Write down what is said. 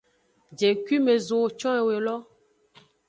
Jengkuime ʼzowo con ewe lo.